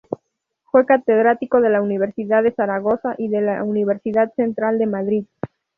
Fue catedrático de la Universidad de Zaragoza y de la Universidad Central de Madrid.